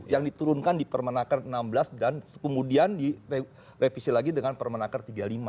yang diturunkan di permenaker enam belas dan kemudian direvisi lagi dengan permenaker tiga puluh lima